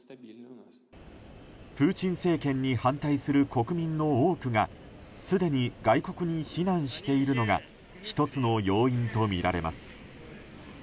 プーチン政権に反対する国民の多くがすでに外国に避難しているのが１つの要因とみられます。